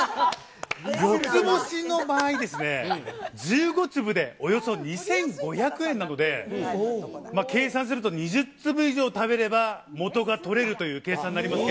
つぼしの場合、１５粒でおよそ２５００円なので、計算すると２０粒以上食べれば元が取れるという計算になりまして。